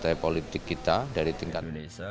dan memperoleh politik kita dari tingkat